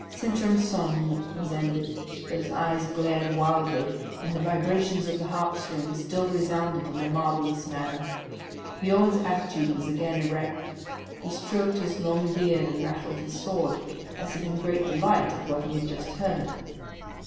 Sintram's song was ended, but his eyes glared wildly, and the vibrations of the harp strings still resounded in a marvellous manner. Biorn's attitude was again erect; he stroked his long beard and rattled his sword, as if in great delight at what he had just heard.